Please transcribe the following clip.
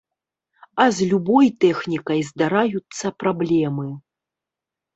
А з любой тэхнікай здараюцца праблемы.